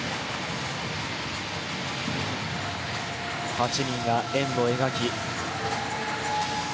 ８人が円を描き。